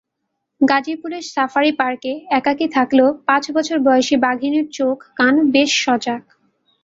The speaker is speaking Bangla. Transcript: গাজীপুরের সাফারি পার্কে একাকী থাকলেও পাঁচ বছর বয়সী বাঘিনীর চোখ-কান বেশ সজাগ।